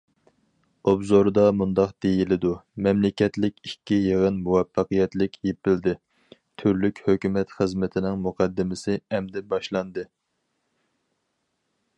ئوبزوردا مۇنداق دېيىلىدۇ: مەملىكەتلىك ئىككى يىغىن مۇۋەپپەقىيەتلىك يېپىلدى، تۈرلۈك ھۆكۈمەت خىزمىتىنىڭ مۇقەددىمىسى ئەمدى باشلاندى.